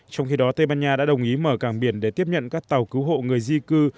trong khi đó tây ban nha đã đồng ý mở cảng biển để tiếp nhận các tàu cứu hộ người di cư